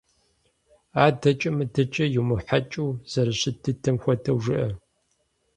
АдэкӀи мыдэкӀи йумыхьэкӀыу, зэрыщыт дыдэм хуэдэу жыӏэ.